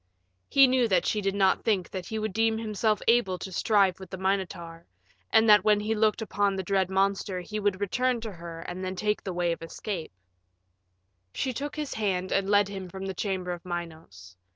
He knew that she did not think that he would deem himself able to strive with the Minotaur, and that when he looked upon the dread monster he would return to her and then take the way of his escape. She took his hand and led him from the chamber of Minos.